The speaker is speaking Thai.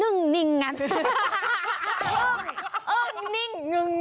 อึ้งนิ่งนั้น